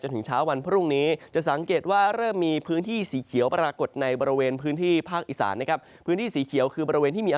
อุณหภูมิไม่เกิน๒๒๙องศาเซลเซียต